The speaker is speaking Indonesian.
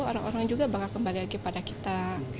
orang orang juga bakal kembali lagi pada kita